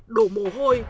đổ mồ hôi